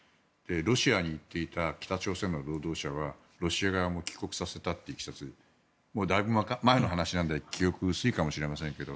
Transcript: ロシアに行っていた北朝鮮の労働者はロシア側も帰国させたといういきさつだいぶ前の話なので記憶が薄いかもしれませんが。